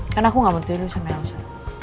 kan aku nggak bertulis sama elza